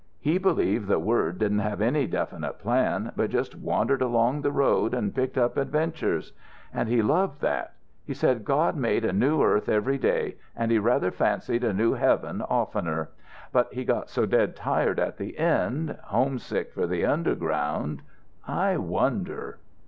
He believed the word didn't have any definite plan, but just wandered along the road and picked up adventures. And he loved that. He said God made a new earth every day and he rather fancied a new heaven oftener. But he got so dead tired at the end, homesick for the underground.... I wonder